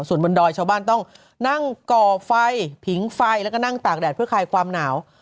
ส่วนบนดอยชาวบ้านต้องนั่งก่อไฟผิงไฟแล้วก็นั่งตากแดดเพื่อคลายความหนาว